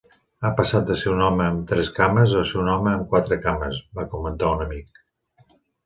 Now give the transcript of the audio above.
"Ha passat de ser un home amb tres cames, a ser un home amb quatre cames", va comentar un amic.